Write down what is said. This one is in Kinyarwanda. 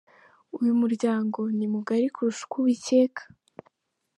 Uyu muryango ni mugali kurusha uko ubikeka.